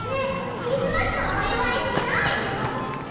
クリスマスのお祝いしないの？